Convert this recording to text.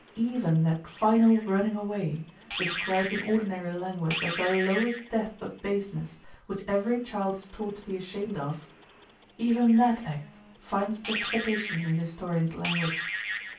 Even that final running away, described in ordinary language as the lowest depth of baseness which every child is taught to be ashamed of—even that act finds justification in the historians' language.